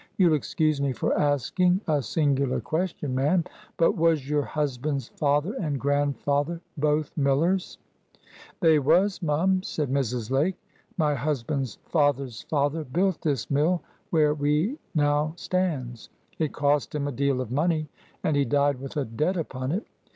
"You'll excuse me for asking a singular question, ma'am, but was your husband's father and grandfather both millers?" "They was, mum," said Mrs. Lake. "My husband's father's father built this mill where we now stands. It cost him a deal of money, and he died with a debt upon it.